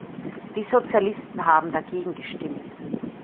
Die Sozialisten haben dagegen gestimmt!